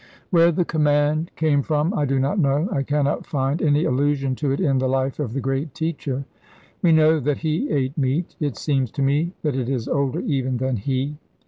Where the command came from I do not know. I cannot find any allusion to it in the life of the great teacher. We know that he ate meat. It seems to me that it is older even than he.